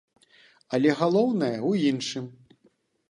Але галоўнае ў іншым.